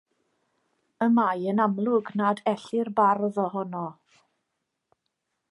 Y mae yn amlwg nad ellir bardd ohono.